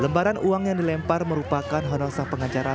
lembaran uang yang dilempar merupakan honosa pengacara